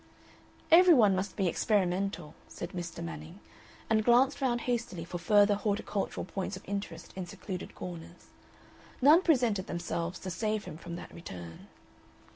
"Every one must be experimental," said Mr. Manning, and glanced round hastily for further horticultural points of interest in secluded corners. None presented themselves to save him from that return.